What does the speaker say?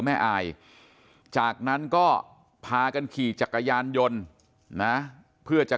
สัตว์ในอำเภอแม่อายจากนั้นก็พากันขี่จักรยานยนต์นะเพื่อจะ